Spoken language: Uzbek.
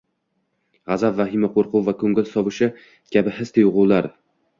G‘azab, vahima, qo‘rquv va ko‘ngil sovishi kabi his-tuyg‘ular